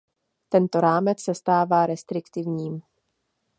Tento rámec se stává restriktivním.